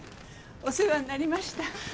お世話になりました。